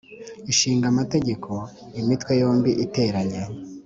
Ishinga Amategeko Imitwe yombi iteranye